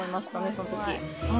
そのとき。